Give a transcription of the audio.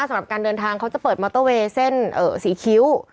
สำหรับการเดินทางเขาจะเปิดมอเตอร์เวย์เส้นสีคิ้ว